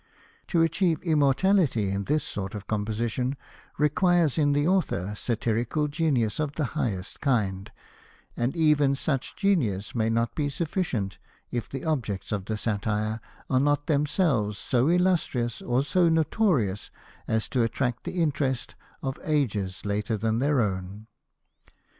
To achieve immortality in this sort of composition requires in the author satirical genius of the highest kind ; and even such genius may not be sufficient if the objects of the satire are not themselves so illustrious or so notorious as to attract the interest of ages later than their own.